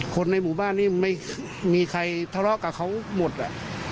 คนในหมู่บ้านนี้ไม่มีใครทะเลาะกับเขาหมด